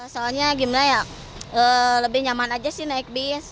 soalnya gimana ya lebih nyaman aja sih naik bis